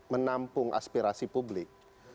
menampung aspirasi publik